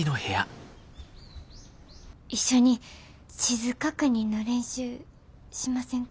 一緒に地図確認の練習しませんか？